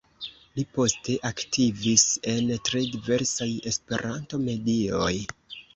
Li poste aktivis en tre diversaj Esperanto-medioj.